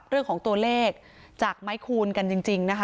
เรื่องของตัวเลขจากไม้คูณกันจริงนะคะ